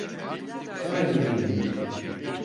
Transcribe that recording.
Hemen ilgileniyorum.